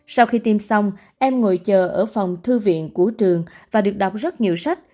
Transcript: sau khi tiêm xong em ngồi chờ ở phòng thư viện của trường và được đọc rất nhiều sách